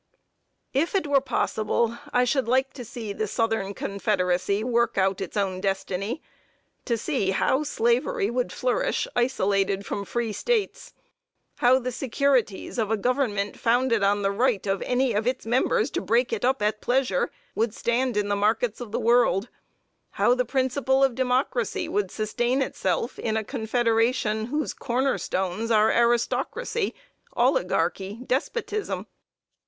If it were possible, I would like to see the "Southern Confederacy" work out its own destiny; to see how Slavery would flourish, isolated from free States; how the securities of a government, founded on the right of any of its members to break it up at pleasure, would stand in the markets of the world; how the principle of Democracy would sustain itself in a confederation whose corner stones are aristocracy, oligarchy, despotism.